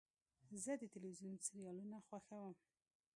زه د تلویزیون سریالونه خوښوم.